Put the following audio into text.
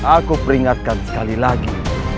aku peringatkan sekali lagi